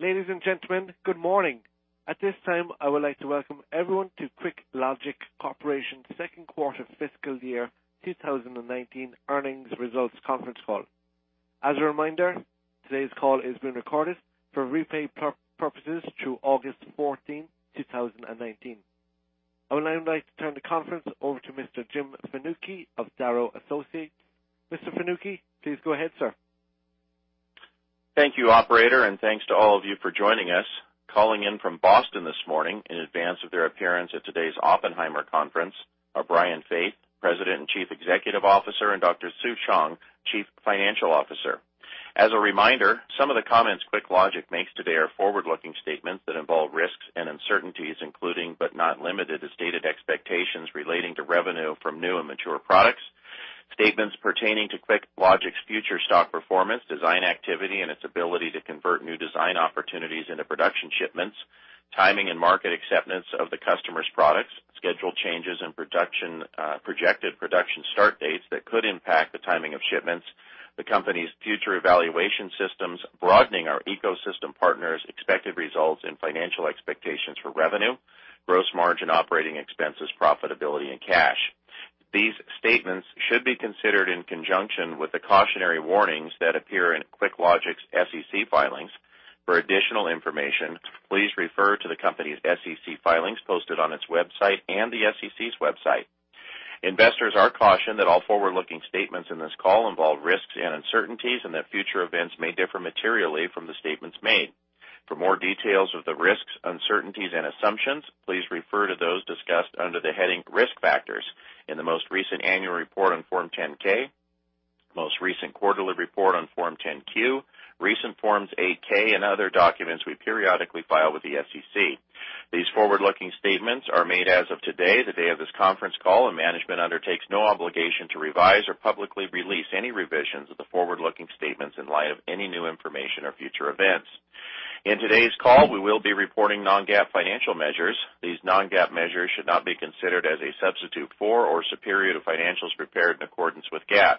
Ladies and gentlemen, good morning. At this time, I would like to welcome everyone to QuickLogic Corporation's second quarter fiscal year 2019 earnings results conference call. As a reminder, today's call is being recorded for replay purposes through August 14, 2019. I would now like to turn the conference over to Mr. Jim Fanucchi of Darrow Associates. Mr. Fanucchi, please go ahead, sir. Thank you, operator, and thanks to all of you for joining us. Calling in from Boston this morning in advance of their appearance at today's Oppenheimer conference are Brian Faith, President and Chief Executive Officer, and Dr. Sue Cheung, Chief Financial Officer. As a reminder, some of the comments QuickLogic makes today are forward-looking statements that involve risks and uncertainties including, but not limited to, stated expectations relating to revenue from new and mature products, statements pertaining to QuickLogic's future stock performance, design activity, and its ability to convert new design opportunities into production shipments, timing and market acceptance of the customer's products, schedule changes in projected production start dates that could impact the timing of shipments, the company's future evaluation systems, broadening our ecosystem partners' expected results and financial expectations for revenue, gross margin operating expenses, profitability, and cash. These statements should be considered in conjunction with the cautionary warnings that appear in QuickLogic's SEC filings. For additional information, please refer to the company's SEC filings posted on its website and the SEC's website. Investors are cautioned that all forward-looking statements in this call involve risks and uncertainties and that future events may differ materially from the statements made. For more details of the risks, uncertainties, and assumptions, please refer to those discussed under the heading Risk Factors in the most recent annual report on Form 10-K, most recent quarterly report on Form 10-Q, recent Forms 8-K, and other documents we periodically file with the SEC. These forward-looking statements are made as of today, the day of this conference call, and management undertakes no obligation to revise or publicly release any revisions of the forward-looking statements in light of any new information or future events. In today's call, we will be reporting non-GAAP financial measures. These non-GAAP measures should not be considered as a substitute for or superior to financials prepared in accordance with GAAP.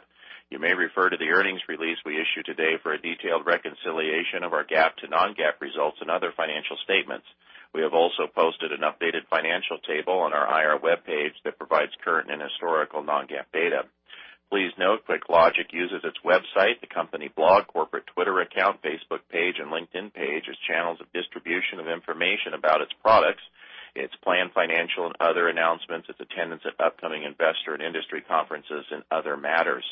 You may refer to the earnings release we issued today for a detailed reconciliation of our GAAP to non-GAAP results and other financial statements. We have also posted an updated financial table on our IR webpage that provides current and historical non-GAAP data. Please note QuickLogic uses its website, the company blog, corporate Twitter account, Facebook page, and LinkedIn page as channels of distribution of information about its products, its planned financial and other announcements, its attendance at upcoming investor and industry conferences, and other matters.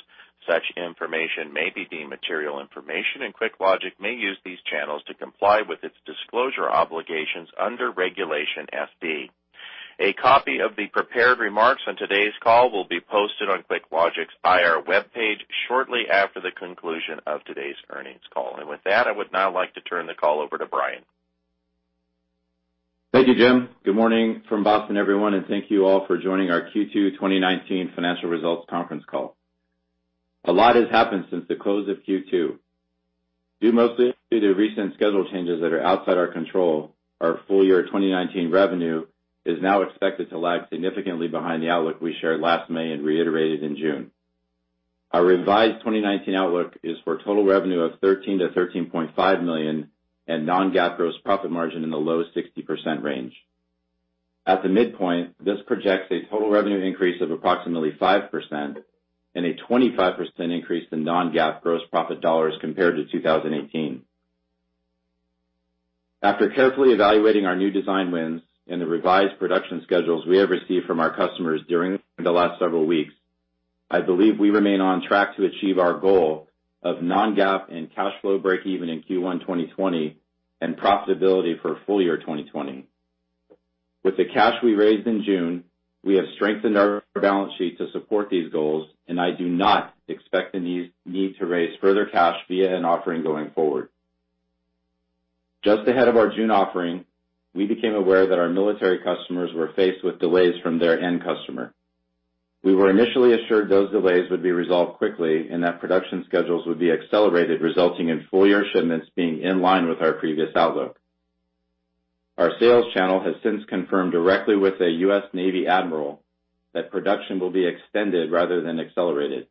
Such information may be deemed material information, and QuickLogic may use these channels to comply with its disclosure obligations under Regulation FD. A copy of the prepared remarks on today's call will be posted on QuickLogic's IR webpage shortly after the conclusion of today's earnings call. With that, I would now like to turn the call over to Brian. Thank you, Jim Fanucchi. Good morning from Boston, everyone, and thank you all for joining our Q2 2019 financial results conference call. A lot has happened since the close of Q2. Due mostly to the recent schedule changes that are outside our control, our full year 2019 revenue is now expected to lag significantly behind the outlook we shared last May and reiterated in June. Our revised 2019 outlook is for total revenue of $13 million-$13.5 million and non-GAAP gross profit margin in the low 60% range. At the midpoint, this projects a total revenue increase of approximately 5% and a 25% increase in non-GAAP gross profit dollars compared to 2018. After carefully evaluating our new design wins and the revised production schedules we have received from our customers during the last several weeks, I believe we remain on track to achieve our goal of non-GAAP and cash flow breakeven in Q1 2020 and profitability for full year 2020. With the cash we raised in June, we have strengthened our balance sheet to support these goals, and I do not expect the need to raise further cash via an offering going forward. Just ahead of our June offering, we became aware that our military customers were faced with delays from their end customer. We were initially assured those delays would be resolved quickly and that production schedules would be accelerated, resulting in full-year shipments being in line with our previous outlook. Our sales channel has since confirmed directly with a U.S. Navy admiral that production will be extended rather than accelerated.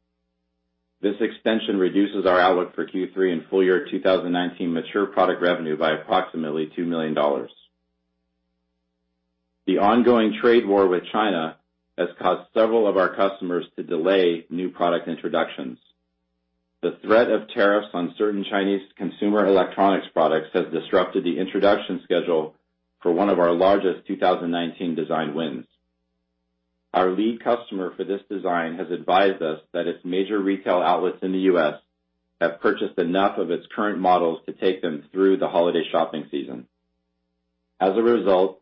This extension reduces our outlook for Q3 and full year 2019 mature product revenue by approximately $2 million. The ongoing trade war with China has caused several of our customers to delay new product introductions. The threat of tariffs on certain Chinese consumer electronics products has disrupted the introduction schedule for one of our largest 2019 design wins. Our lead customer for this design has advised us that its major retail outlets in the U.S. have purchased enough of its current models to take them through the holiday shopping season. As a result,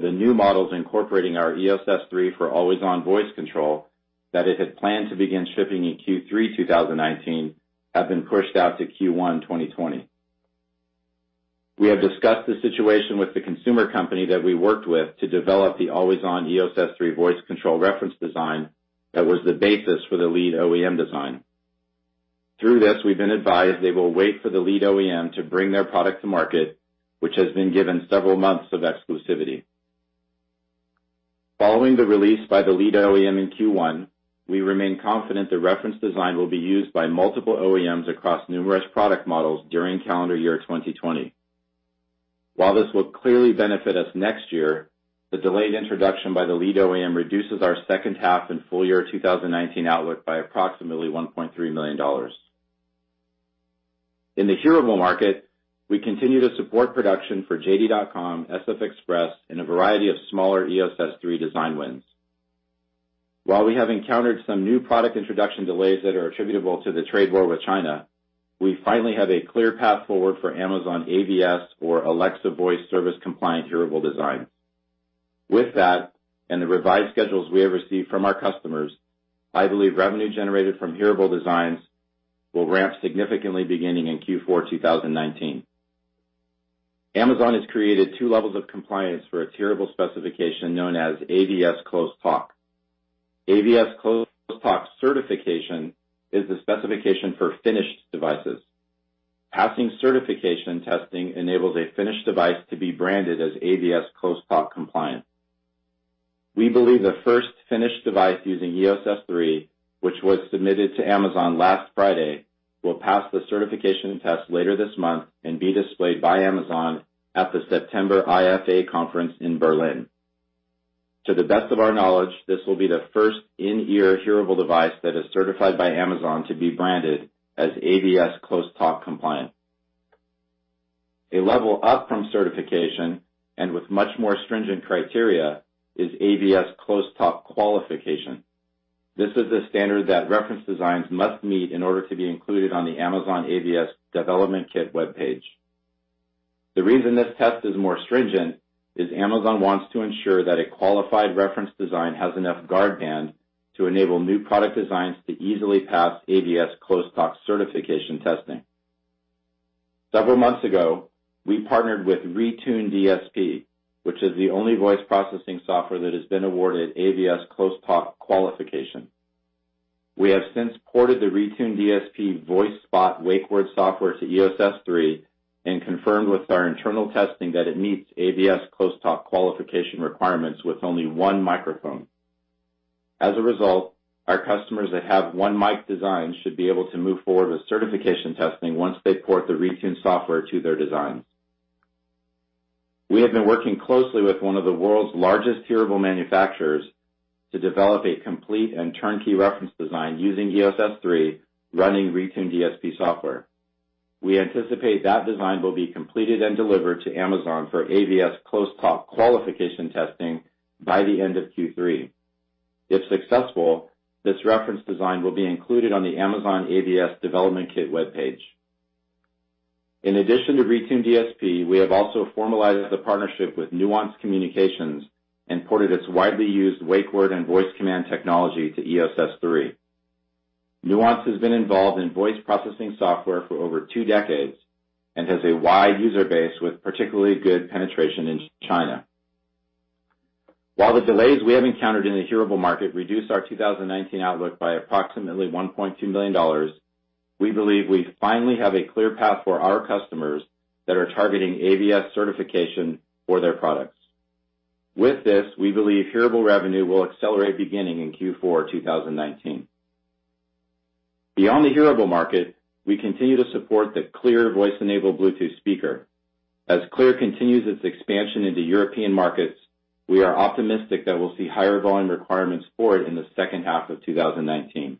the new models incorporating our EOS S3 for always-on voice control that it had planned to begin shipping in Q3 2019 have been pushed out to Q1 2020. We have discussed the situation with the consumer company that we worked with to develop the always-on EOS S3 voice control reference design that was the basis for the lead OEM design. Through this, we've been advised they will wait for the lead OEM to bring their product to market, which has been given several months of exclusivity. Following the release by the lead OEM in Q1, we remain confident the reference design will be used by multiple OEMs across numerous product models during calendar year 2020. While this will clearly benefit us next year, the delayed introduction by the lead OEM reduces our second half and full year 2019 outlook by approximately $1.3 million. In the hearable market, we continue to support production for JD.com, SF Express, and a variety of smaller EOS S3 design wins. While we have encountered some new product introduction delays that are attributable to the trade war with China, we finally have a clear path forward for Amazon AVS or Alexa Voice Service compliant hearable designs. With that, and the revised schedules we have received from our customers, I believe revenue generated from hearable designs will ramp significantly beginning in Q4 2019. Amazon has created two levels of compliance for its hearable specification known as AVS Close Talk. AVS Close Talk certification is the specification for finished devices. Passing certification testing enables a finished device to be branded as AVS Close Talk compliant. We believe the first finished device using EOS S3, which was submitted to Amazon last Friday, will pass the certification test later this month and be displayed by Amazon at the September IFA conference in Berlin. To the best of our knowledge, this will be the first in-ear hearable device that is certified by Amazon to be branded as AVS Close Talk compliant. A level up from certification, and with much more stringent criteria, is AVS Close Talk qualification. This is a standard that reference designs must meet in order to be included on the Amazon AVS development kit webpage. The reason this test is more stringent is Amazon wants to ensure that a qualified reference design has enough guard band to enable new product designs to easily pass AVS Close Talk certification testing. Several months ago, we partnered with Retune DSP, which is the only voice processing software that has been awarded AVS Close Talk qualification. We have since ported the Retune DSP VoiceSpot wake word software to EOS S3 and confirmed with our internal testing that it meets AVS Close Talk qualification requirements with only one microphone. As a result, our customers that have one mic design should be able to move forward with certification testing once they port the Retune software to their designs. We have been working closely with one of the world's largest hearable manufacturers to develop a complete and turnkey reference design using EOS S3, running Retune DSP software. We anticipate that design will be completed and delivered to Amazon for AVS Close Talk qualification testing by the end of Q3. If successful, this reference design will be included on the Amazon AVS development kit webpage. In addition to Retune DSP, we have also formalized the partnership with Nuance Communications and ported its widely used wake word and voice command technology to EOS S3. Nuance has been involved in voice processing software for over two decades and has a wide user base with particularly good penetration in China. While the delays we have encountered in the hearable market reduce our 2019 outlook by approximately $1.2 million, we believe we finally have a clear path for our customers that are targeting AVS certification for their products. With this, we believe hearable revenue will accelerate beginning in Q4 2019. Beyond the hearable market, we continue to support the Clear voice-enabled Bluetooth speaker. As Clear continues its expansion into European markets, we are optimistic that we'll see higher volume requirements for it in the second half of 2019.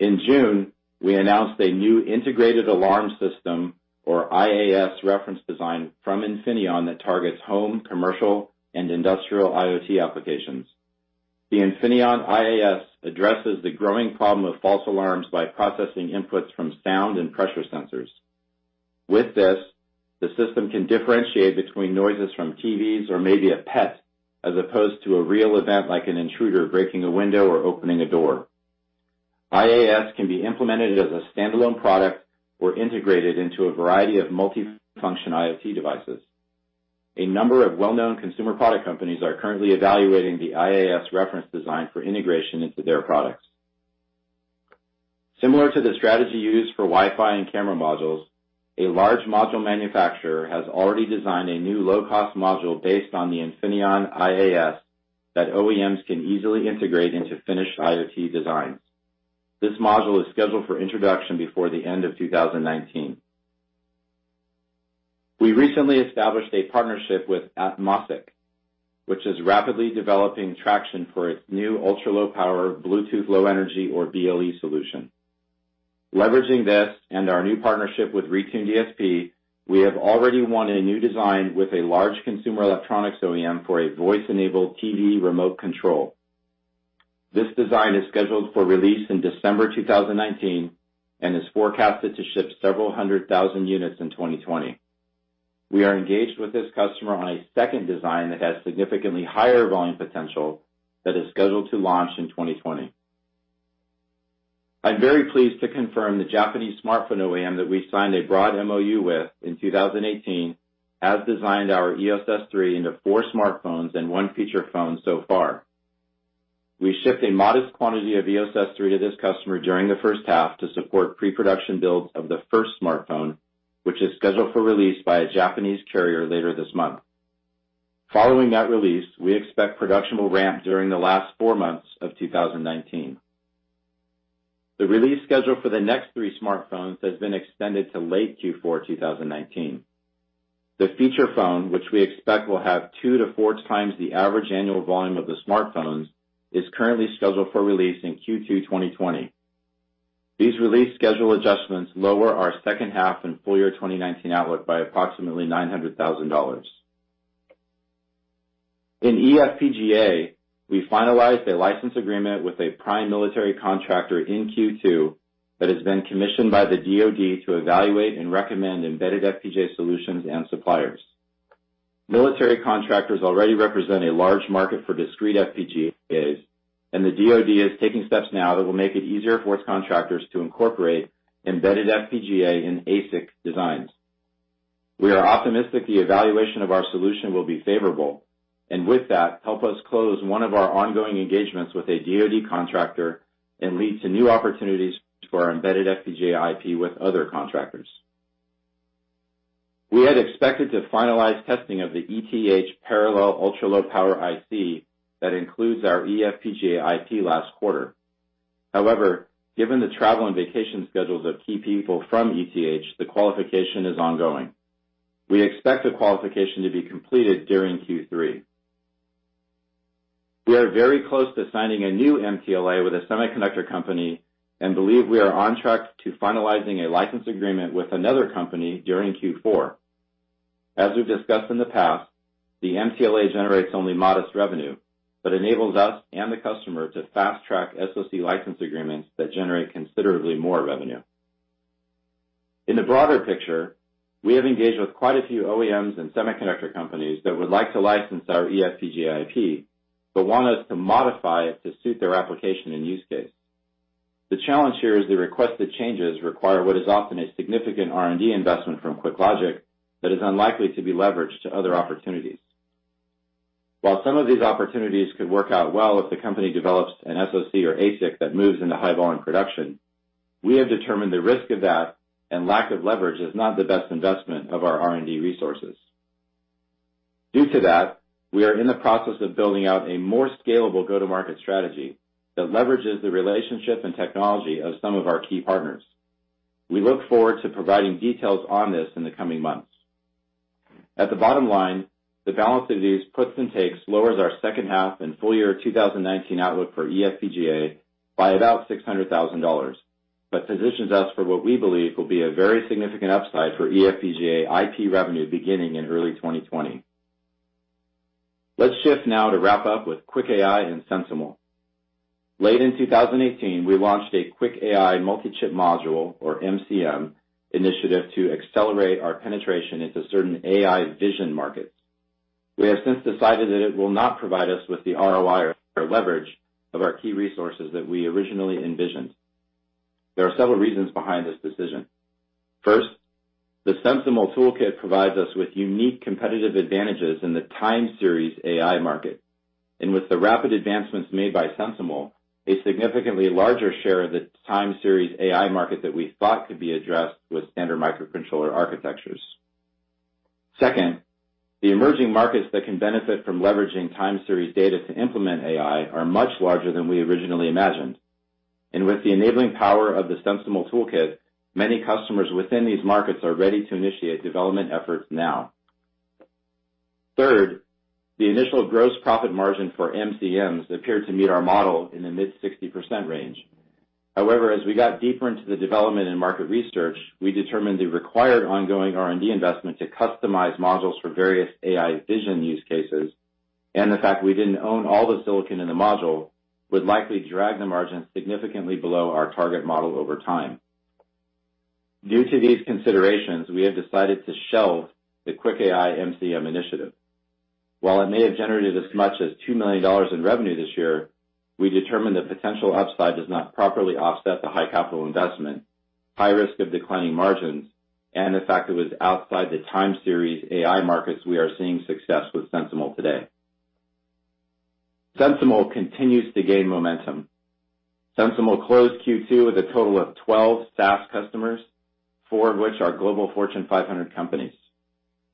In June, we announced a new Integrated Alarm System, or IAS reference design from Infineon that targets home, commercial, and industrial IoT applications. The Infineon IAS addresses the growing problem of false alarms by processing inputs from sound and pressure sensors. With this, the system can differentiate between noises from TVs or maybe a pet, as opposed to a real event like an intruder breaking a window or opening a door. IAS can be implemented as a standalone product or integrated into a variety of multifunction IoT devices. A number of well-known consumer product companies are currently evaluating the IAS reference design for integration into their products. Similar to the strategy used for Wi-Fi and camera modules, a large module manufacturer has already designed a new low-cost module based on the Infineon IAS that OEMs can easily integrate into finished IoT designs. This module is scheduled for introduction before the end of 2019. We recently established a partnership with Atmosic, which is rapidly developing traction for its new ultra-low power Bluetooth low energy, or BLE solution. Leveraging this and our new partnership with Retune DSP, we have already won a new design with a large consumer electronics OEM for a voice-enabled TV remote control. This design is scheduled for release in December 2019 and is forecasted to ship several hundred thousand units in 2020. We are engaged with this customer on a second design that has significantly higher volume potential that is scheduled to launch in 2020. I'm very pleased to confirm the Japanese smartphone OEM that we signed a broad MoU with in 2018 has designed our EOS S3 into four smartphones and one feature phone so far. We shipped a modest quantity of EOS S3 to this customer during the first half to support pre-production builds of the first smartphone, which is scheduled for release by a Japanese carrier later this month. Following that release, we expect production will ramp during the last four months of 2019. The release schedule for the next three smartphones has been extended to late Q4 2019. The feature phone, which we expect will have two to four times the average annual volume of the smartphones, is currently scheduled for release in Q2 2020. These release schedule adjustments lower our second half and full year 2019 outlook by approximately $900,000. In eFPGA, we finalized a license agreement with a prime military contractor in Q2 that has been commissioned by the DoD to evaluate and recommend embedded FPGA solutions and suppliers. Military contractors already represent a large market for discrete FPGAs, and the DoD is taking steps now that will make it easier for its contractors to incorporate embedded FPGA in ASIC designs. We are optimistic the evaluation of our solution will be favorable, and with that, help us close one of our ongoing engagements with a DoD contractor and lead to new opportunities for our embedded FPGA IP with other contractors. We had expected to finalize testing of the ETH parallel ultra-low power IC that includes our eFPGA IP last quarter. However, given the travel and vacation schedules of key people from ETH, the qualification is ongoing. We expect the qualification to be completed during Q3. We are very close to signing a new MTLA with a semiconductor company and believe we are on track to finalizing a license agreement with another company during Q4. As we've discussed in the past, the MTLA generates only modest revenue but enables us and the customer to fast-track SoC license agreements that generate considerably more revenue. In the broader picture, we have engaged with quite a few OEMs and semiconductor companies that would like to license our eFPGA IP but want us to modify it to suit their application and use case. The challenge here is the requested changes require what is often a significant R&D investment from QuickLogic that is unlikely to be leveraged to other opportunities. While some of these opportunities could work out well if the company develops an SoC or ASIC that moves into high-volume production, we have determined the risk of that and lack of leverage is not the best investment of our R&D resources. Due to that, we are in the process of building out a more scalable go-to-market strategy that leverages the relationship and technology of some of our key partners. We look forward to providing details on this in the coming months. At the bottom line, the balance of these puts and takes lowers our second half and full year 2019 outlook for eFPGA by about $600,000 but positions us for what we believe will be a very significant upside for eFPGA IP revenue beginning in early 2020. Let's shift now to wrap up with QuickAI and SensiML. Late in 2018, we launched a QuickAI multi-chip module, or MCM, initiative to accelerate our penetration into certain AI vision markets. We have since decided that it will not provide us with the ROI or leverage of our key resources that we originally envisioned. There are several reasons behind this decision. First, the SensiML toolkit provides us with unique competitive advantages in the time series AI market. With the rapid advancements made by SensiML, a significantly larger share of the time series AI market that we thought could be addressed with standard microcontroller architectures. Second, the emerging markets that can benefit from leveraging time series data to implement AI are much larger than we originally imagined. With the enabling power of the SensiML toolkit, many customers within these markets are ready to initiate development efforts now. Third, the initial gross profit margin for MCMs appeared to meet our model in the mid 60% range. However, as we got deeper into the development and market research, we determined the required ongoing R&D investment to customize modules for various AI vision use cases, and the fact we didn't own all the silicon in the module would likely drag the margin significantly below our target model over time. Due to these considerations, we have decided to shelve the QuickAI MCM initiative. While it may have generated as much as $2 million in revenue this year, we determined the potential upside does not properly offset the high capital investment, high risk of declining margins, and the fact it was outside the time series AI markets we are seeing success with SensiML today. SensiML continues to gain momentum. SensiML closed Q2 with a total of 12 SaaS customers, four of which are global Fortune 500 companies.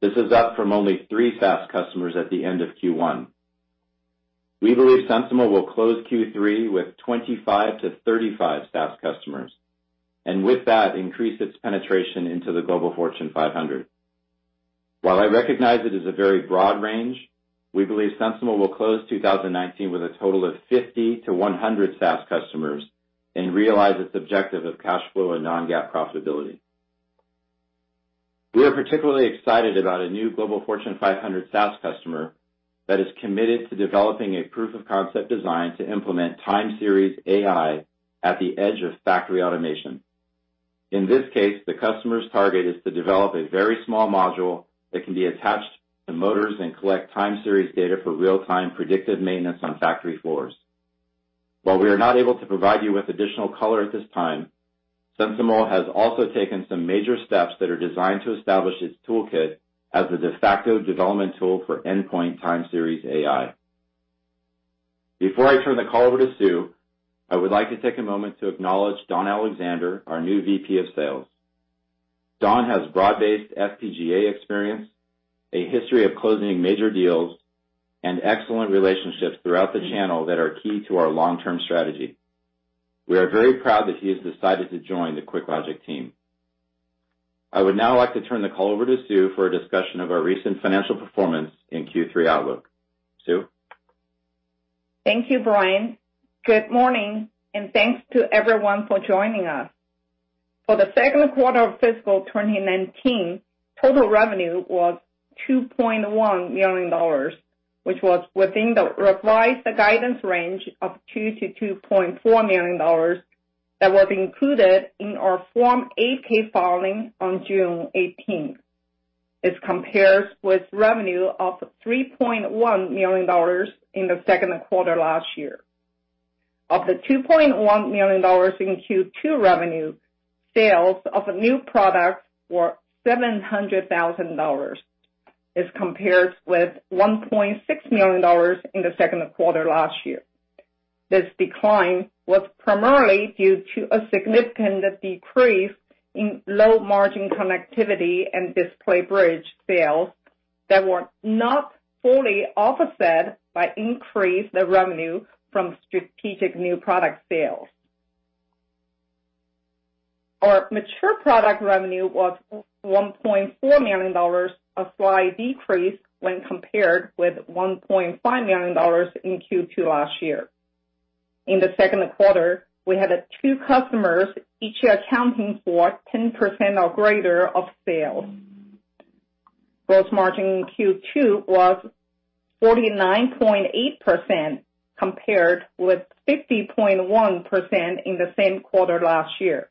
This is up from only three SaaS customers at the end of Q1. We believe SensiML will close Q3 with 25 to 35 SaaS customers, and with that, increase its penetration into the global Fortune 500. While I recognize it is a very broad range, we believe SensiML will close 2019 with a total of 50 to 100 SaaS customers and realize its objective of cash flow and non-GAAP profitability. We are particularly excited about a new global Fortune 500 SaaS customer that is committed to developing a proof of concept design to implement time series AI at the edge of factory automation. In this case, the customer's target is to develop a very small module that can be attached to motors and collect time series data for real-time predictive maintenance on factory floors. While we are not able to provide you with additional color at this time, SensiML has also taken some major steps that are designed to establish its toolkit as the de facto development tool for endpoint time series AI. Before I turn the call over to Sue, I would like to take a moment to acknowledge Don Alexander, our new VP of Sales. Don has broad-based FPGA experience, a history of closing major deals, and excellent relationships throughout the channel that are key to our long-term strategy. We are very proud that he has decided to join the QuickLogic team. I would now like to turn the call over to Sue for a discussion of our recent financial performance in Q3 outlook. Sue? Thank you, Brian. Good morning. Thanks to everyone for joining us. For the second quarter of fiscal 2019, total revenue was $2.1 million, which was within the revised guidance range of $2 million-$2.4 million that was included in our Form 8-K filing on June 18th. This compares with revenue of $3.1 million in the second quarter last year. Of the $2.1 million in Q2 revenue, sales of new products were $700,000. This compares with $1.6 million in the second quarter last year. This decline was primarily due to a significant decrease in low-margin connectivity and display bridge sales that were not fully offset by increased revenue from strategic new product sales. Our mature product revenue was $1.4 million, a slight decrease when compared with $1.5 million in Q2 last year. In the second quarter, we had two customers, each accounting for 10% or greater of sales. Gross margin in Q2 was 49.8%, compared with 50.1% in the same quarter last year.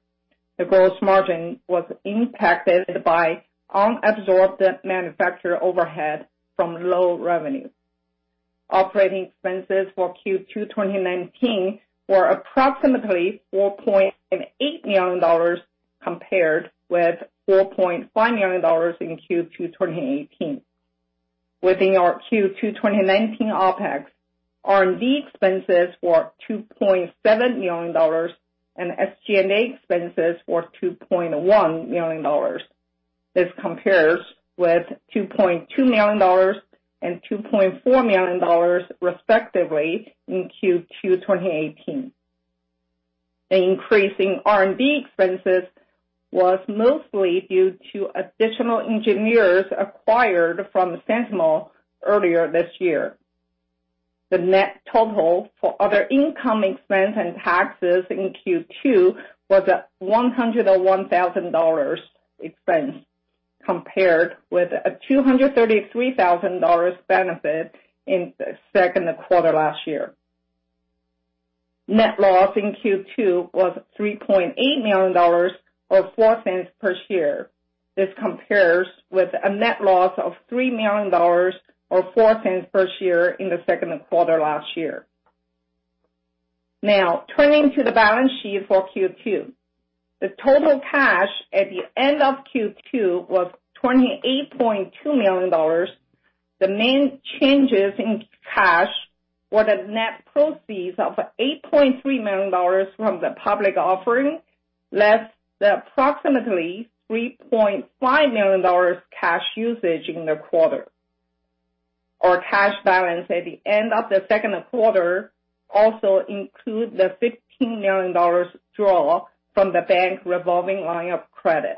The gross margin was impacted by unabsorbed manufacturer overhead from low revenue. Operating expenses for Q2 2019 were approximately $4.8 million compared with $4.5 million in Q2 2018. Within our Q2 2019 OpEx, R&D expenses were $2.7 million and SG&A expenses were $2.1 million. This compares with $2.2 million and $2.4 million, respectively, in Q2 2018. The increase in R&D expenses was mostly due to additional engineers acquired from SensiML earlier this year. The net total for other income expense and taxes in Q2 was a $101,000 expense, compared with a $233,000 benefit in the second quarter last year. Net loss in Q2 was $3.8 million, or $0.04 per share. This compares with a net loss of $3 million or $0.04 per share in the second quarter last year. Turning to the balance sheet for Q2. The total cash at the end of Q2 was $28.2 million. The main changes in cash were the net proceeds of $8.3 million from the public offering, less the approximately $3.5 million cash usage in the quarter. Our cash balance at the end of the second quarter also includes the $15 million draw from the bank revolving line of credit.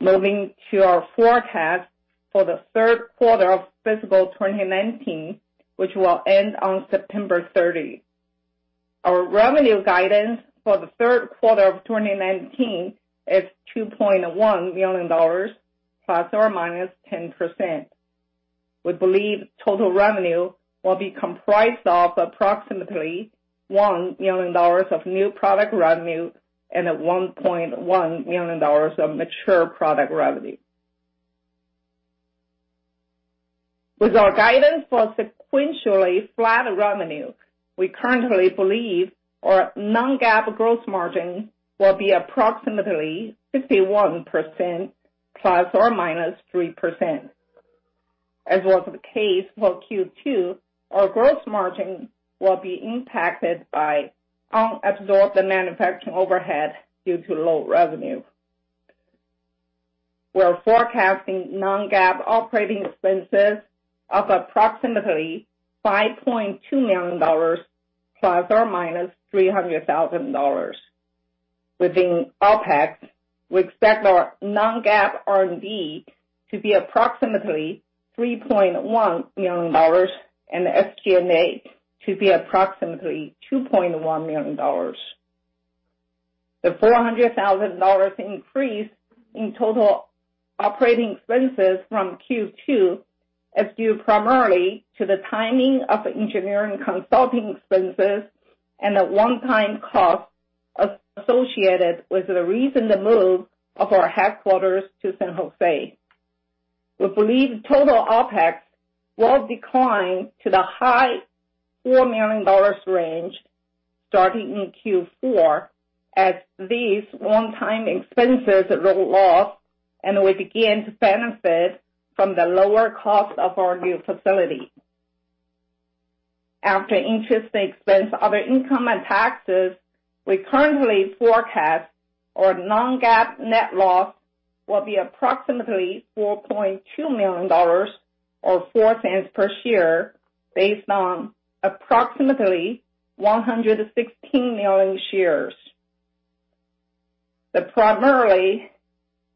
Moving to our forecast for the third quarter of fiscal 2019, which will end on September 30th. Our revenue guidance for the third quarter of 2019 is $2.1 million, ±10%. We believe total revenue will be comprised of approximately $1 million of new product revenue and $1.1 million of mature product revenue. With our guidance for sequentially flat revenue, we currently believe our non-GAAP gross margin will be approximately 51%, ±3%. As was the case for Q2, our gross margin will be impacted by unabsorbed manufacturing overhead due to low revenue. We're forecasting non-GAAP operating expenses of approximately $5.2 million ±$300,000. Within OpEx, we expect our non-GAAP R&D to be approximately $3.1 million and SG&A to be approximately $2.1 million. The $400,000 increase in total operating expenses from Q2 is due primarily to the timing of engineering consulting expenses and a one-time cost associated with the recent move of our headquarters to San Jose. We believe total OpEx will decline to the high $4 million range starting in Q4 as these one-time expenses roll off, and we begin to benefit from the lower cost of our new facility. After interest expense, other income, and taxes, we currently forecast our non-GAAP net loss will be approximately $4.2 million or $0.04 per share based on approximately 116 million shares. The primary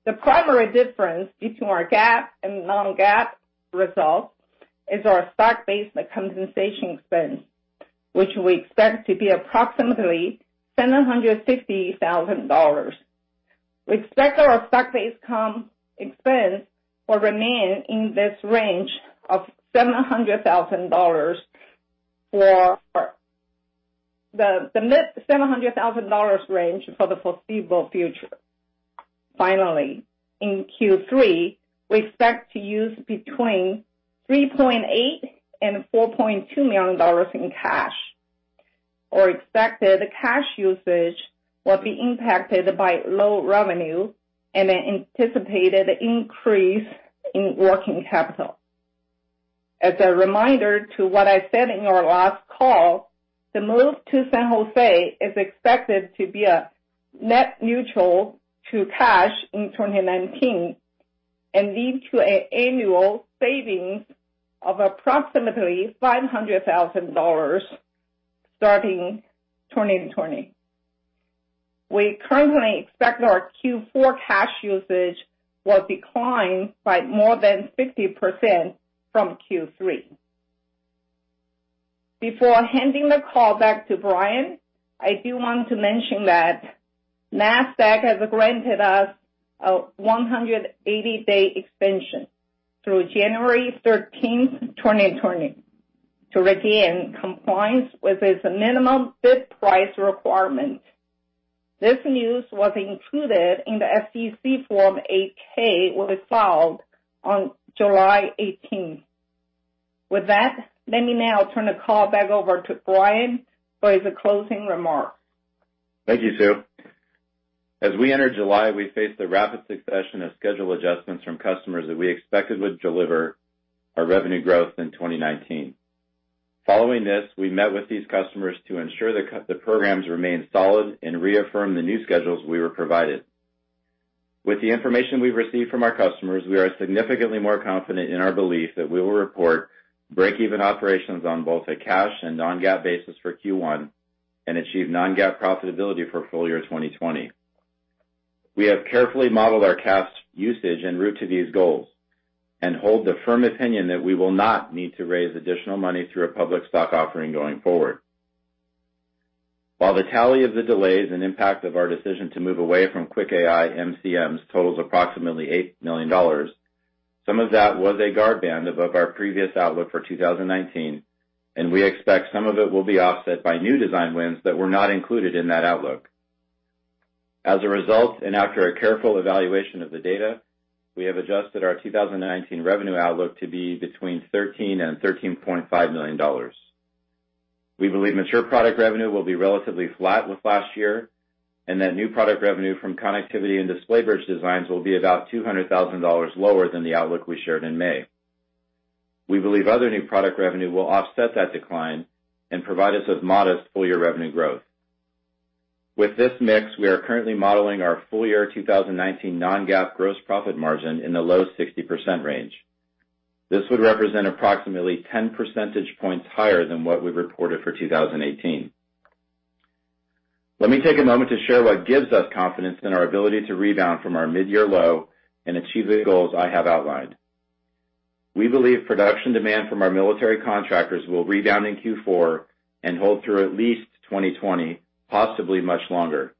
difference between our GAAP and non-GAAP results is our stock-based compensation expense, which we expect to be approximately $760,000. We expect our stock-based comp expense will remain in this range of the $700,000 range for the foreseeable future. Finally, in Q3, we expect to use between $3.8 and $4.2 million in cash. Our expected cash usage will be impacted by low revenue and an anticipated increase in working capital. As a reminder to what I said in our last call, the move to San Jose is expected to be net neutral to cash in 2019 and lead to annual savings of approximately $500,000 starting 2020. We currently expect our Q4 cash usage will decline by more than 50% from Q3. Before handing the call back to Brian, I do want to mention that Nasdaq has granted us a 180-day extension through January 13th, 2020, to regain compliance with its minimum bid price requirement. This news was included in the SEC Form 8-K we filed on July 18th. With that, let me now turn the call back over to Brian for his closing remarks. Thank you, Sue. As we entered July, we faced a rapid succession of schedule adjustments from customers that we expected would deliver our revenue growth in 2019. Following this, we met with these customers to ensure the programs remained solid and reaffirm the new schedules we were provided. With the information we've received from our customers, we are significantly more confident in our belief that we will report break-even operations on both a cash and non-GAAP basis for Q1 and achieve non-GAAP profitability for full year 2020. We have carefully modeled our cash usage en route to these goals and hold the firm opinion that we will not need to raise additional money through a public stock offering going forward. While the tally of the delays and impact of our decision to move away from QuickAI MCMs totals approximately $8 million, some of that was a guardband above our previous outlook for 2019, and we expect some of it will be offset by new design wins that were not included in that outlook. As a result, after a careful evaluation of the data, we have adjusted our 2019 revenue outlook to be between $13 million and $13.5 million. We believe mature product revenue will be relatively flat with last year and that new product revenue from connectivity and display bridge designs will be about $200,000 lower than the outlook we shared in May. We believe other new product revenue will offset that decline and provide us with modest full-year revenue growth. With this mix, we are currently modeling our full-year 2019 non-GAAP gross profit margin in the low 60% range. This would represent approximately 10 percentage points higher than what we reported for 2018. Let me take a moment to share what gives us confidence in our ability to rebound from our mid-year low and achieve the goals I have outlined. We believe production demand from our military contractors will rebound in Q4 and hold through at least 2020, possibly much longer.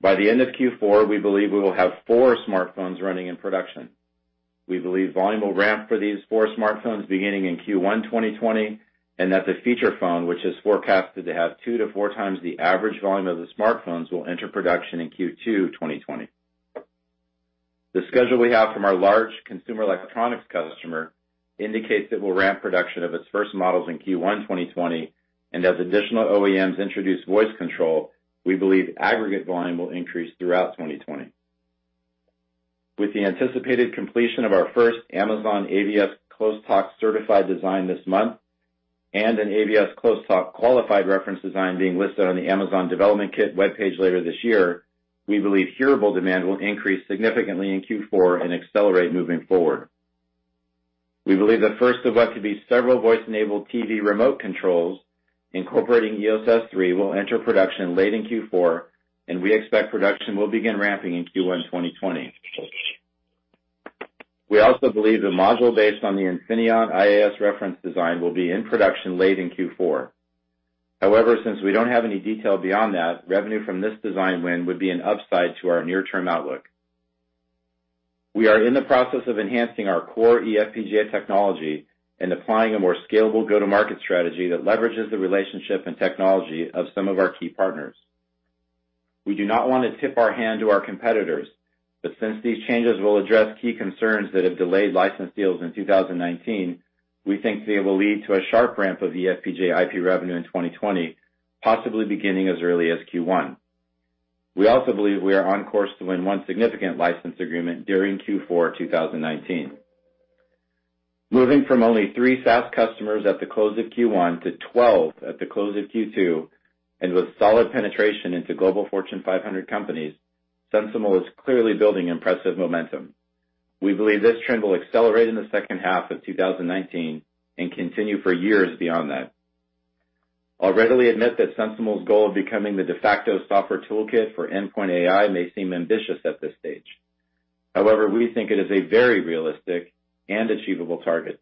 By the end of Q4, we believe we will have four smartphones running in production. We believe volume will ramp for these four smartphones beginning in Q1 2020, and that the feature phone, which is forecasted to have two to four times the average volume of the smartphones, will enter production in Q2 2020. The schedule we have from our large consumer electronics customer indicates it will ramp production of its first models in Q1 2020, and as additional OEMs introduce voice control, we believe aggregate volume will increase throughout 2020. With the anticipated completion of our first Amazon AVS Close Talk Certified design this month and an AVS Close Talk Qualified reference design being listed on the Amazon Development Kit webpage later this year, we believe hearable demand will increase significantly in Q4 and accelerate moving forward. We believe the first of what could be several voice-enabled TV remote controls incorporating EOS S3 will enter production late in Q4, and we expect production will begin ramping in Q1 2020. We also believe the module based on the Infineon IAS reference design will be in production late in Q4. However, since we don't have any detail beyond that, revenue from this design win would be an upside to our near-term outlook. We are in the process of enhancing our core eFPGA technology and applying a more scalable go-to-market strategy that leverages the relationship and technology of some of our key partners. Since these changes will address key concerns that have delayed license deals in 2019, we think they will lead to a sharp ramp of eFPGA IP revenue in 2020, possibly beginning as early as Q1. We also believe we are on course to win one significant license agreement during Q4 2019. Moving from only three SaaS customers at the close of Q1 to 12 at the close of Q2, and with solid penetration into global Fortune 500 companies, SensiML is clearly building impressive momentum. We believe this trend will accelerate in the second half of 2019 and continue for years beyond that. I'll readily admit that SensiML's goal of becoming the de facto software toolkit for endpoint AI may seem ambitious at this stage. However, we think it is a very realistic and achievable target.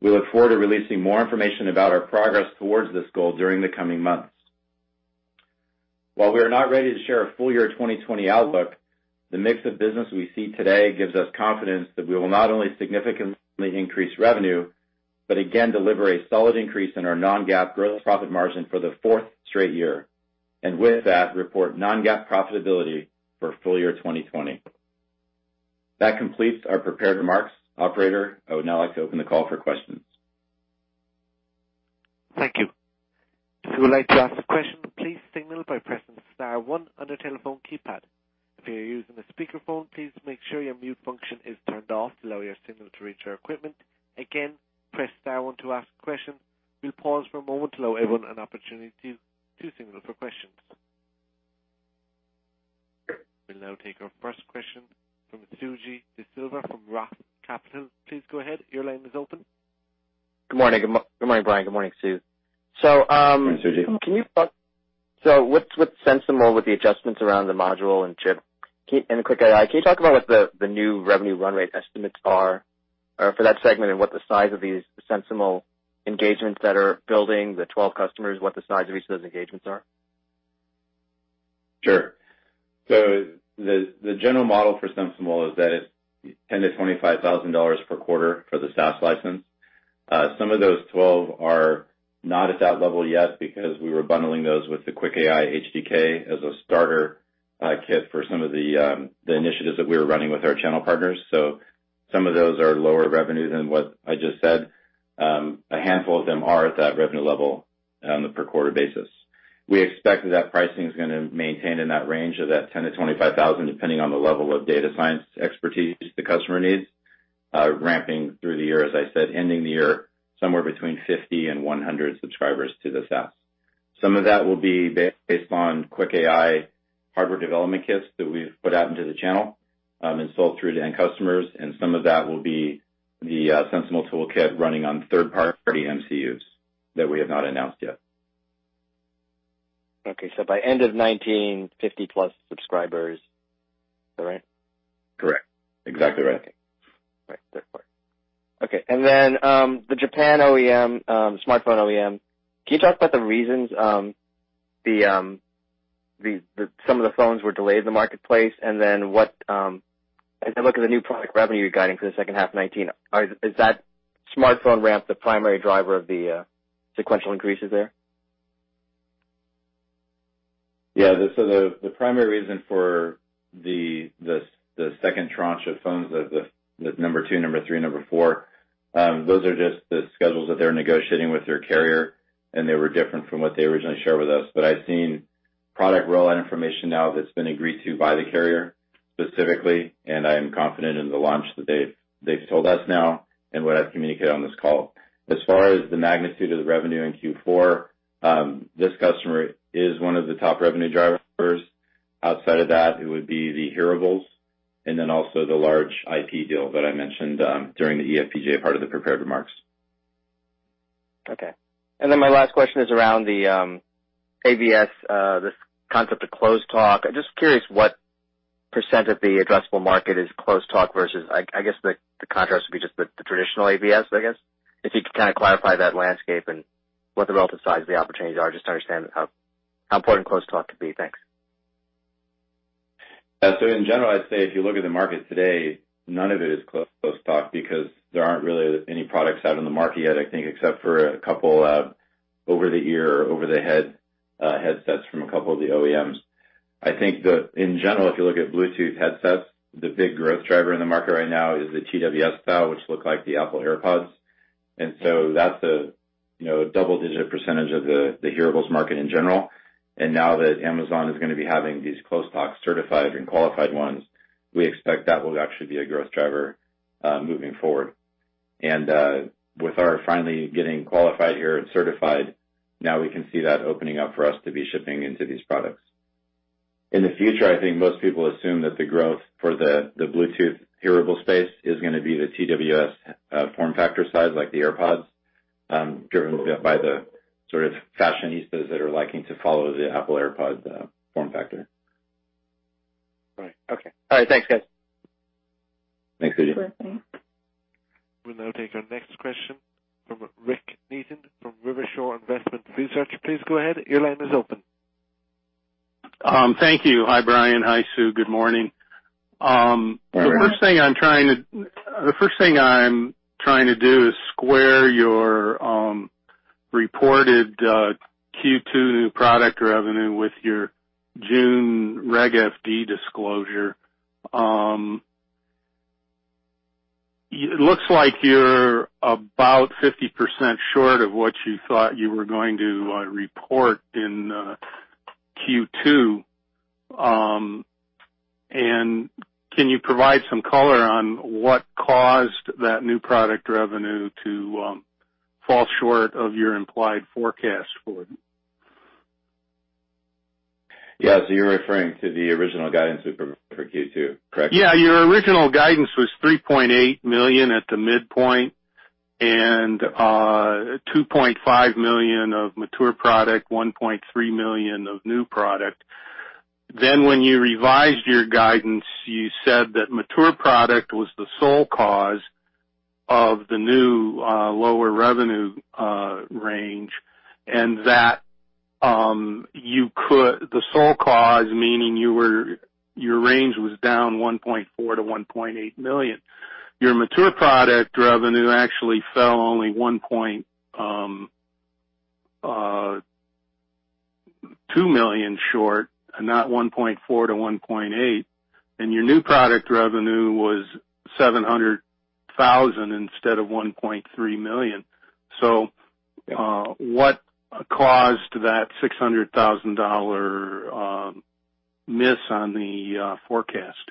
We look forward to releasing more information about our progress towards this goal during the coming months. While we are not ready to share a full year 2020 outlook, the mix of business we see today gives us confidence that we will not only significantly increase revenue, but again, deliver a solid increase in our non-GAAP gross profit margin for the fourth straight year. With that, report non-GAAP profitability for full year 2020. That completes our prepared remarks. Operator, I would now like to open the call for questions. Thank you. If you would like to ask a question, please signal by pressing star one on your telephone keypad. If you're using a speakerphone, please make sure your mute function is turned off to allow your signal to reach our equipment. Again, press star one to ask a question. We'll pause for a moment to allow everyone an opportunity to signal for questions. We'll now take our first question from Suji De Silva from Roth Capital. Please go ahead. Your line is open. Good morning. Good morning, Brian. Good morning, Sue. Good morning, Suji. With SensiML, with the adjustments around the module and chip and the QuickAI, can you talk about what the new revenue run rate estimates are for that segment, and what the size of these SensiML engagements that are building the 12 customers, what the size of each of those engagements are? Sure. The general model for SensiML is that it's $10,000 to $25,000 per quarter for the SaaS license. Some of those 12 are not at that level yet because we were bundling those with the QuickAI SDK as a starter kit for some of the initiatives that we were running with our channel partners. Some of those are lower revenue than what I just said. A handful of them are at that revenue level on the per quarter basis. We expect that pricing is going to maintain in that range of that $10,000 to $25,000, depending on the level of data science expertise the customer needs, ramping through the year, as I said, ending the year somewhere between 50 and 100 subscribers to the SaaS. Some of that will be based on QuickAI hardware development kits that we've put out into the channel, and sold through to end customers, and some of that will be the SensiML toolkit running on third-party MCUs that we have not announced yet. Okay, by end of 2019, 50-plus subscribers. Is that right? Correct. Exactly right. Okay. Right. Fair point. Okay. The Japan smartphone OEM, can you talk about the reasons some of the phones were delayed in the marketplace, and then as I look at the new product revenue you're guiding for the second half of 2019, is that smartphone ramp the primary driver of the sequential increases there? Yeah. The primary reason for the second tranche of phones, the number 2, number 3, number 4, those are just the schedules that they're negotiating with their carrier, and they were different from what they originally shared with us. I've seen product rollout information now that's been agreed to by the carrier specifically, and I am confident in the launch that they've told us now and what I've communicated on this call. As far as the magnitude of the revenue in Q4, this customer is one of the top revenue drivers. Outside of that, it would be the hearables and then also the large IP deal that I mentioned during the eFPGA part of the prepared remarks. Okay. My last question is around the AVS, this concept of Close Talk. I'm just curious what % of the addressable market is Close Talk versus the contrast would be just the traditional AVS. If you could kind of clarify that landscape and what the relative size of the opportunities are, just to understand how important Close Talk could be. Thanks. In general, I'd say if you look at the market today, none of it is Close Talk because there aren't really any products out on the market yet, I think, except for a couple over-the-ear, over-the-head headsets from a couple of the OEMs. I think that in general, if you look at Bluetooth headsets, the big growth driver in the market right now is the TWS style, which look like the Apple AirPods. That's a double-digit percentage of the hearables market in general. Now that Amazon is going to be having these Close Talk certified and qualified ones, we expect that will actually be a growth driver moving forward. With our finally getting qualified here and certified, now we can see that opening up for us to be shipping into these products. In the future, I think most people assume that the growth for the Bluetooth hearable space is going to be the TWS form factor size, like the AirPods, driven by the sort of fashionistas that are liking to follow the Apple AirPods form factor. Right. Okay. All right. Thanks, guys. Thanks, Suji. We'll now take our next question from Richard Neaton from RiverShore Investment Research. Please go ahead. Your line is open. Thank you. Hi, Brian. Hi, Sue. Good morning. The first thing I'm trying to do is square your reported Q2 new product revenue with your June Reg FD disclosure. It looks like you're about 50% short of what you thought you were going to report in Q2. Can you provide some color on what caused that new product revenue to fall short of your implied forecast for it? Yeah. You're referring to the original guidance we provided for Q2, correct? Your original guidance was $3.8 million at the midpoint, and $2.5 million of mature product, $1.3 million of new product. When you revised your guidance, you said that mature product was the sole cause of the new lower revenue range, and the sole cause meaning your range was down $1.4 million-$1.8 million. Your mature product revenue actually fell only $2 million short and not $1.4 million-$1.8 million, and your new product revenue was $700,000 instead of $1.3 million. What caused that $600,000 miss on the forecast?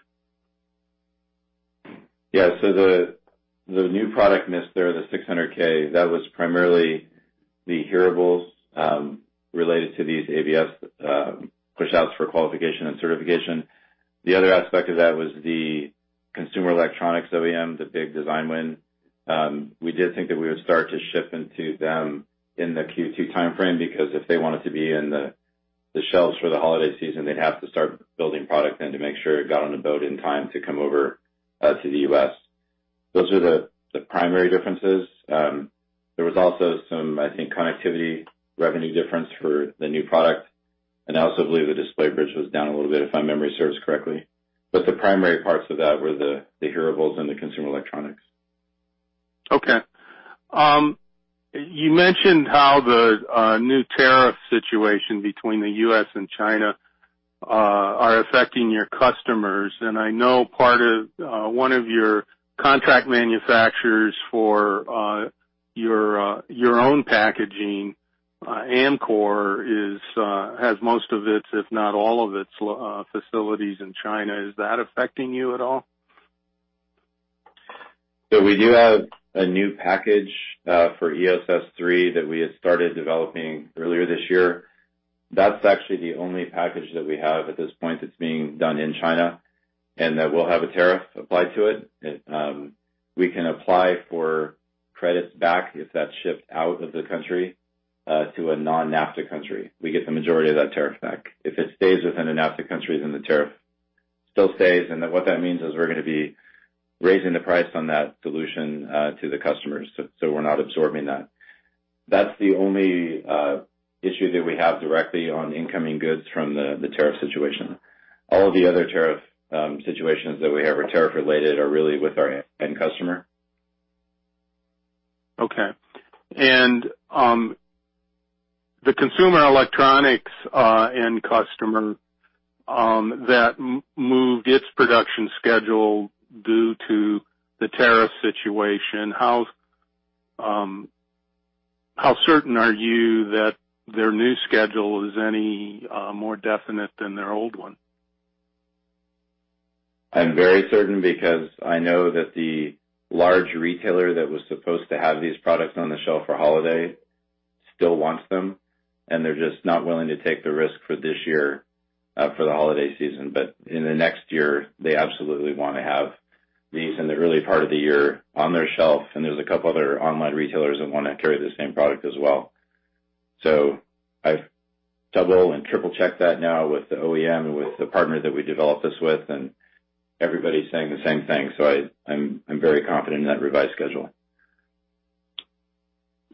The new product miss there, the $600K, that was primarily the hearables related to these AVS pushouts for qualification and certification. The other aspect of that was the consumer electronics OEM, the big design win. We did think that we would start to ship into them in the Q2 timeframe, because if they wanted to be in the shelves for the holiday season, they'd have to start building product then to make sure it got on the boat in time to come over to the U.S. Those are the primary differences. There was also some, I think, connectivity revenue difference for the new product, and I also believe the display bridge was down a little bit, if my memory serves correctly. The primary parts of that were the hearables and the consumer electronics. Okay. You mentioned how the new tariff situation between the U.S. and China are affecting your customers, and I know one of your contract manufacturers for your own packaging, Amkor, has most of its, if not all of its facilities in China. Is that affecting you at all? We do have a new package for EOS S3 that we had started developing earlier this year. That's actually the only package that we have at this point that's being done in China, and that will have a tariff applied to it. We can apply for credits back if that's shipped out of the country to a non-NAFTA country. We get the majority of that tariff back. If it stays within the NAFTA countries, the tariff still stays, and what that means is we're going to be raising the price on that solution to the customers. We're not absorbing that. That's the only issue that we have directly on incoming goods from the tariff situation. All of the other tariff situations that we have or tariff related are really with our end customer. Okay. The consumer electronics end customer that moved its production schedule due to the tariff situation, how certain are you that their new schedule is any more definite than their old one? I'm very certain because I know that the large retailer that was supposed to have these products on the shelf for holiday still wants them, and they're just not willing to take the risk for this year for the holiday season. In the next year, they absolutely want to have these in the early part of the year on their shelf, and there's a couple other online retailers that want to carry the same product as well. I've double and triple-checked that now with the OEM and with the partner that we developed this with, and everybody's saying the same thing. I'm very confident in that revised schedule.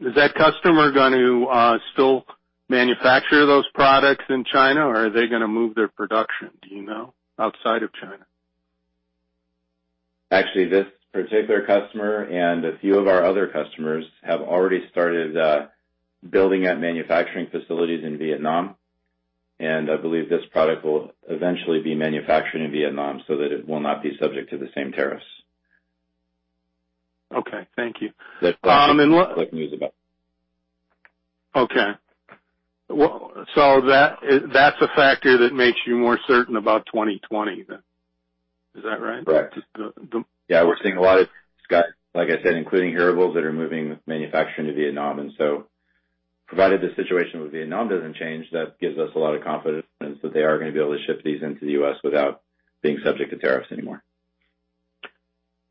Is that customer going to still manufacture those products in China, or are they going to move their production, do you know, outside of China? Actually, this particular customer and a few of our other customers have already started building out manufacturing facilities in Vietnam, and I believe this product will eventually be manufactured in Vietnam so that it will not be subject to the same tariffs. Okay. Thank you. That's what about. Okay. That's a factor that makes you more certain about 2020 then. Is that right? Correct. Yeah. We're seeing a lot of, like I said, including hearables that are moving manufacturing to Vietnam. Provided the situation with Vietnam doesn't change, that gives us a lot of confidence that they are going to be able to ship these into the U.S. without being subject to tariffs anymore.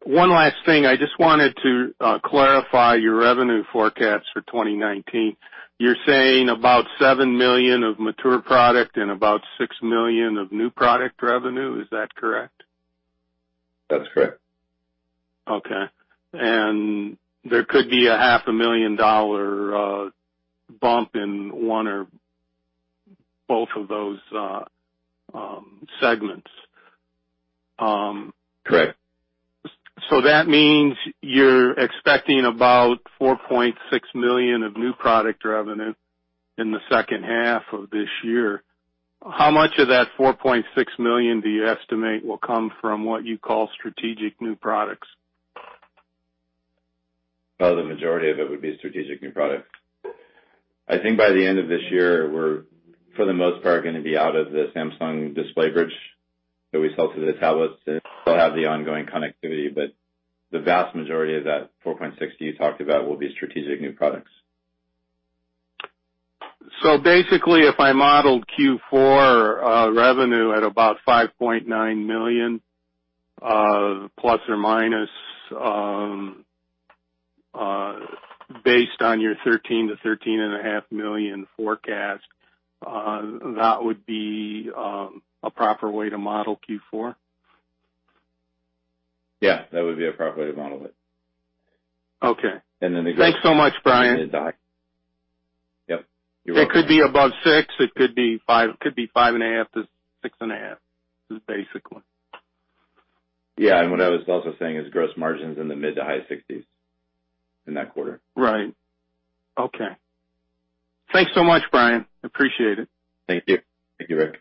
One last thing. I just wanted to clarify your revenue forecast for 2019. You're saying about $7 million of mature product and about $6 million of new product revenue. Is that correct? That's correct. Okay. There could be a half a million-dollar bump in one or both of those segments. Correct. That means you're expecting about $4.6 million of new product revenue in the second half of this year. How much of that $4.6 million do you estimate will come from what you call strategic new products? The majority of it would be strategic new products. I think by the end of this year, we're, for the most part, going to be out of the Samsung display bridge that we sell to the tablets, and we'll have the ongoing connectivity. The vast majority of that $4.6 you talked about will be strategic new products. Basically, if I modeled Q4 revenue at about $5.9 million, plus or minus, based on your $13 million-$13.5 million forecast, that would be a proper way to model Q4? Yeah, that would be a proper way to model it. Okay. then the- Thanks so much, Brian. Yep. You're welcome. It could be above six, it could be five and a half to six and a half. Yeah. What I was also saying is gross margins in the mid to high sixties in that quarter. Right. Okay. Thanks so much, Brian. Appreciate it. Thank you. Thank you, Rick.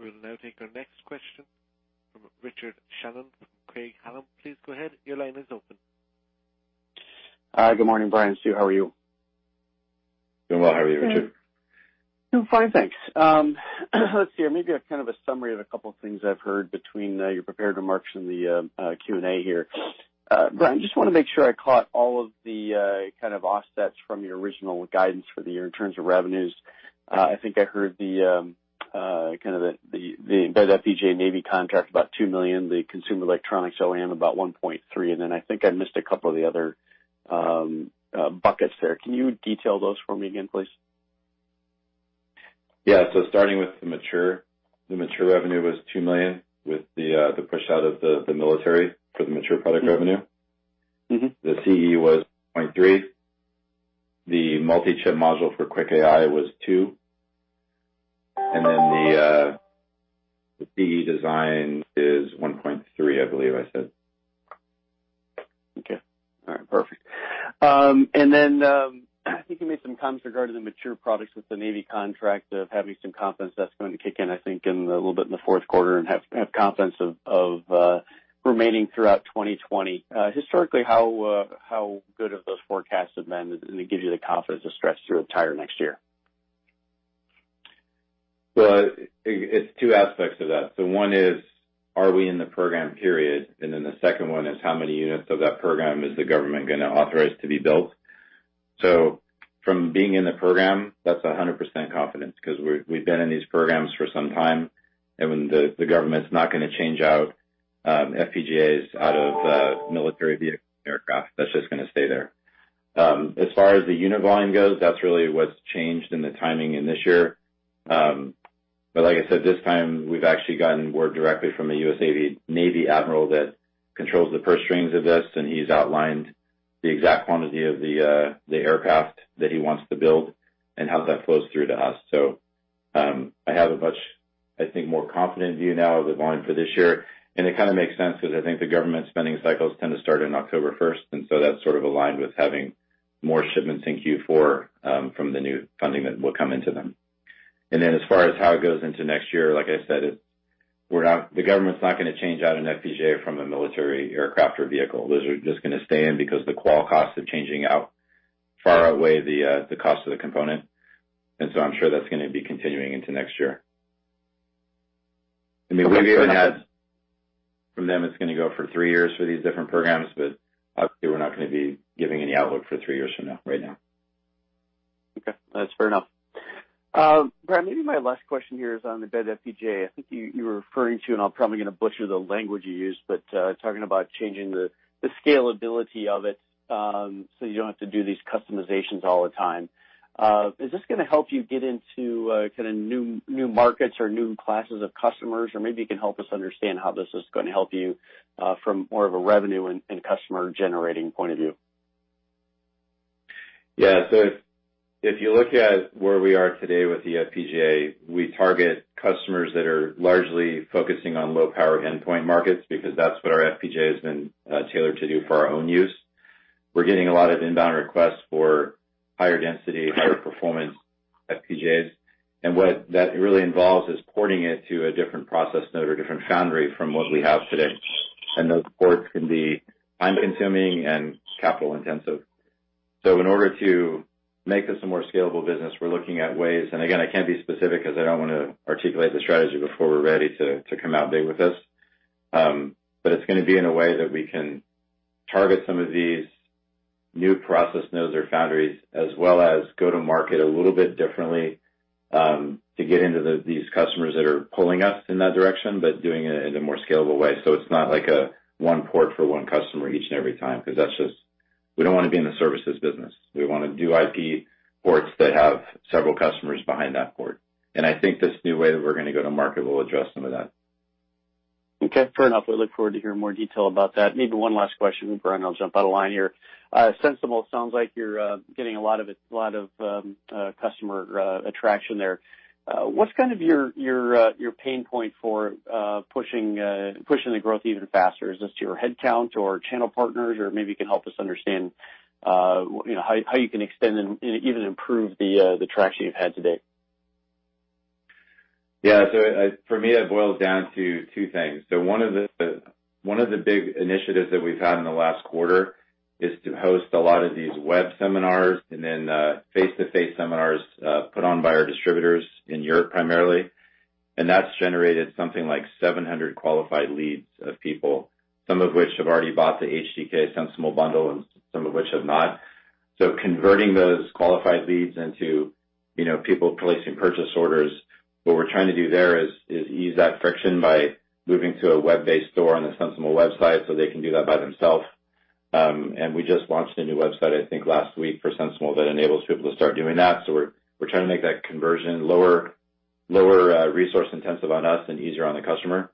We will now take our next question from Richard Shannon from Craig-Hallum. Please go ahead. Your line is open. Hi. Good morning, Brian, Sue. How are you? Doing well. How are you, Richard? I'm fine, thanks. Let's see. Maybe a kind of a summary of a couple of things I've heard between your prepared remarks and the Q&A here. Brian, just want to make sure I caught all of the kind of offsets from your original guidance for the year in terms of revenues. I think I heard the kind of the eFPGA Navy contract, about $2 million, the consumer electronics OEM about $1.3, and then I think I missed a couple of the other buckets there. Can you detail those for me again, please? Yeah. Starting with the mature, the mature revenue was $2 million, with the pushout of the military for the mature product revenue. The CE was $0.3. The multi-chip module for QuickAI was $2. The CE design is $1.3, I believe I said. Okay. All right, perfect. I think you made some comments regarding the mature products with the Navy contract of having some confidence that's going to kick in, I think, in a little bit in the fourth quarter and have confidence of remaining throughout 2020. Historically, how good have those forecasts been, and it gives you the confidence to stretch through entire next year? It's two aspects of that. One is, are we in the program, period? The second one is, how many units of that program is the government going to authorize to be built? From being in the program, that's 100% confidence because we've been in these programs for some time. When the government's not going to change out FPGAs out of military aircraft, that's just going to stay there. As far as the unit volume goes, that's really what's changed in the timing in this year. Like I said, this time, we've actually gotten word directly from a U.S. Navy admiral that controls the purse strings of this, and he's outlined the exact quantity of the aircraft that he wants to build and how that flows through to us. I have a much, I think, more confident view now of the volume for this year. It kind of makes sense because I think the government spending cycles tend to start in October 1st, that's sort of aligned with having more shipments in Q4 from the new funding that will come into them. Then as far as how it goes into next year, like I said, the government's not going to change out an FPGA from a military aircraft or vehicle. Those are just going to stay in because the qual costs of changing out far outweigh the cost of the component. I'm sure that's going to be continuing into next year. I mean, we've even had from them, it's going to go for three years for these different programs, but obviously, we're not going to be giving any outlook for three years from now, right now. That's fair enough. Brian, maybe my last question here is on the eFPGA. I think you were referring to, I'm probably going to butcher the language you used, talking about changing the scalability of it, so you don't have to do these customizations all the time. Is this going to help you get into kind of new markets or new classes of customers? Maybe you can help us understand how this is going to help you from more of a revenue and customer generating point of view. Yeah. If you look at where we are today with the FPGA, we target customers that are largely focusing on low-power endpoint markets because that's what our FPGA has been tailored to do for our own use. We're getting a lot of inbound requests for higher density, higher performance FPGAs. What that really involves is porting it to a different process node or different foundry from what we have today. Those ports can be time-consuming and capital intensive. In order to make this a more scalable business, we're looking at ways, and again, I can't be specific because I don't want to articulate the strategy before we're ready to come out with this. It's going to be in a way that we can target some of these new process nodes or foundries, as well as go to market a little bit differently, to get into these customers that are pulling us in that direction, but doing it in a more scalable way. It's not like a one port for one customer each and every time. We don't want to be in the services business. We want to do IP ports that have several customers behind that port. I think this new way that we're going to go to market will address some of that. Okay, fair enough. We look forward to hearing more detail about that. Maybe one last question, Brian, I'll jump out of line here. SensiML sounds like you're getting a lot of customer attraction there. What's kind of your pain point for pushing the growth even faster? Is this to your headcount or channel partners? Maybe you can help us understand how you can extend and even improve the traction you've had today. For me, it boils down to two things. One of the big initiatives that we've had in the last quarter is to host a lot of these web seminars and then face-to-face seminars, put on by our distributors in Europe primarily. That's generated something like 700 qualified leads of people, some of which have already bought the SDK SensiML bundle and some of which have not. Converting those qualified leads into people placing purchase orders. What we're trying to do there is ease that friction by moving to a web-based store on the sensiML website so they can do that by themselves. We just launched a new website, I think, last week for SensiML that enables people to start doing that. We're trying to make that conversion lower resource intensive on us and easier on the customer.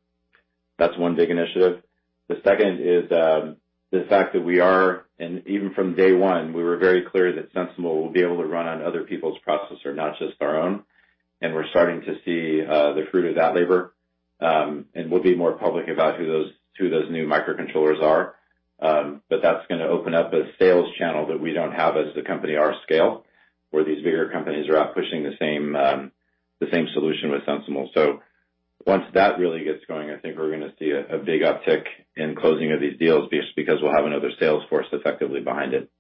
That's one big initiative. The second is, the fact that even from day one, we were very clear that SensiML will be able to run on other people's processor, not just our own. We're starting to see the fruit of that labor. We'll be more public about who those new microcontrollers are. That's going to open up a sales channel that we don't have as the company our scale, where these bigger companies are out pushing the same solution with SensiML. Once that really gets going, I think we're going to see a big uptick in closing of these deals just because we'll have another sales force effectively behind it.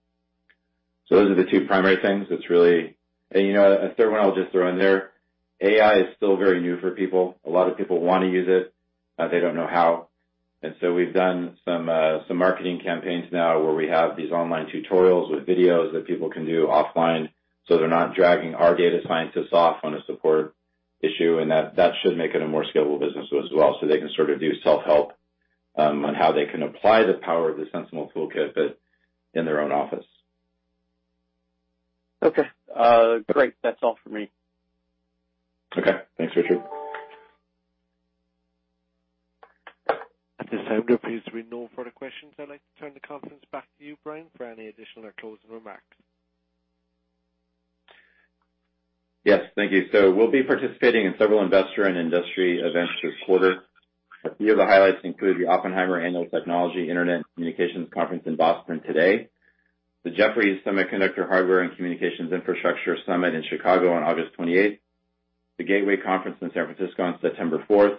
Those are the two primary things. A third one I'll just throw in there, AI is still very new for people. A lot of people want to use it. They don't know how. We've done some marketing campaigns now where we have these online tutorials with videos that people can do offline, so they're not dragging our data scientists off on a support issue, and that should make it a more scalable business as well, so they can sort of do self-help, on how they can apply the power of the SensiML toolkit, but in their own office. Okay. Great. That's all for me. Okay. Thanks, Richard. At this time, there appears to be no further questions. I'd like to turn the conference back to you, Brian, for any additional or closing remarks. Yes. Thank you. We'll be participating in several investor and industry events this quarter. A few of the highlights include the Oppenheimer Annual Technology, Internet, and Communications Conference in Boston today, the Jefferies Semiconductor, Hardware, and Communications Infrastructure Summit in Chicago on August 28th, the Gateway Conference in San Francisco on September 4th,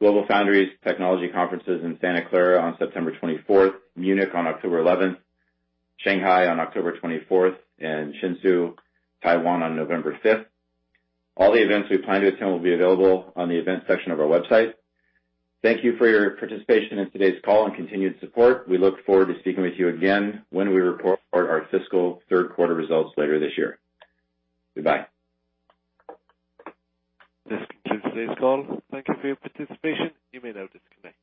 GlobalFoundries Technology Conferences in Santa Clara on September 24th, Munich on October 11th, Shanghai on October 24th, and Hsinchu, Taiwan on November 5th. All the events we plan to attend will be available on the events section of our website. Thank you for your participation in today's call and continued support. We look forward to speaking with you again when we report our fiscal third quarter results later this year. Goodbye. This concludes today's call. Thank you for your participation. You may now disconnect.